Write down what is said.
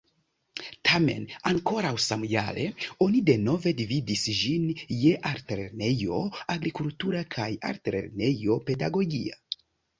Tamen ankoraŭ samjare oni denove dividis ĝin je Altlernejo Agrikultura kaj Altlernejo Pedagogia.